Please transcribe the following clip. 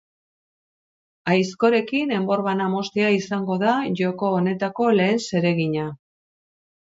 Aizkorekin enbor bana moztea izango da joko honetako lehen zeregina.